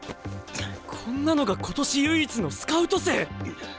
こんなのが今年唯一のスカウト生！？